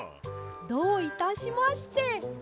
どういたしまして。